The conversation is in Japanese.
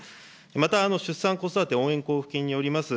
また、出産子育て応援交付金によります